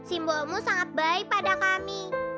simbolmu sangat baik pada kami